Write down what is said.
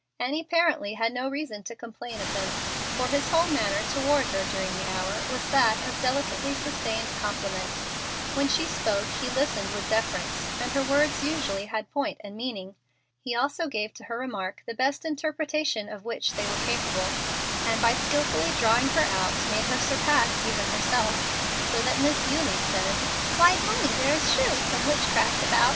Annie apparently had no reason to complain of him, for his whole manner toward her during the hour was that of delicately sustained compliment. When she spoke he listened with deference, and her words usually had point and meaning. He also gave to her remarks the best interpretation of which they were capable, and by skilfully drawing her out made her surpass even herself, so that Miss Eulie said, "Why, Annie, there surely is some witchcraft about.